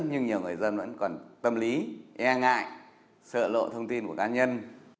nhưng nhiều người dân vẫn còn tâm lý e ngại sợ lộ thông tin của cá nhân